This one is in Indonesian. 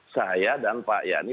saya dan pak yani